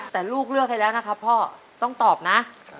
แต่ลูกเลือกให้แล้วนะครับพ่อต้องตอบนะ